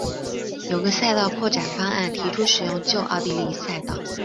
有个赛道扩展方案提出使用旧奥地利赛道。